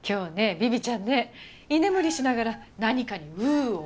ビビちゃんね居眠りしながら何かにウーウー怒ってたの。